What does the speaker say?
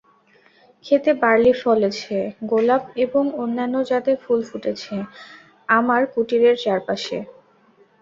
ক্ষেতে বার্লি ফলেছে, গোলাপ এবং অন্যান্য জাতের ফুল ফুটেছে আমার কুটীরের চারপাশে।